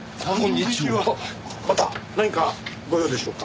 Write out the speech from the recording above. また何かご用でしょうか？